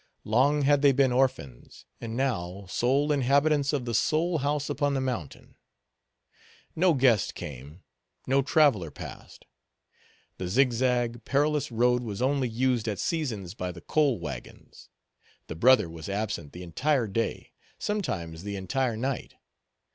Long had they been orphans, and now, sole inhabitants of the sole house upon the mountain. No guest came, no traveler passed. The zigzag, perilous road was only used at seasons by the coal wagons. The brother was absent the entire day, sometimes the entire night.